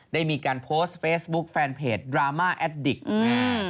ได้มีการโพสต์เฟซบุ๊คแฟนเพจดราม่าแอดดิกอืม